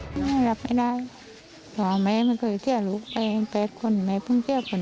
พี่คิดว่าจะถึงข้างนู่น